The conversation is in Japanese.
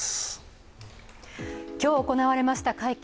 今日行われました会見